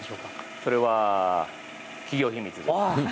それは企業秘密です。